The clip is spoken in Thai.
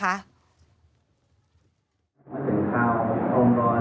ของทีมภูเกษฐานสำคัญนะ